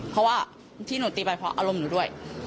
เพราะว่าที่หนูตีไปเพราะอารมณ์หนูด้วย